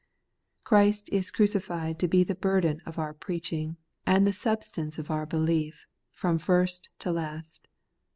Christ crucified is to be the burden of our preach ing, and the substance of our belief, from first to last.